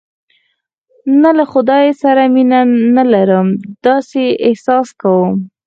نه، له خدای سره مینه نه لرم، داسې احساس نه کوم.